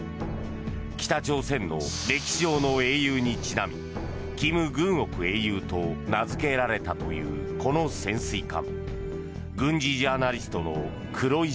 北朝鮮の歴史上の英雄にちなみ「キム・グンオク英雄」と名づけられたというこの潜水艦。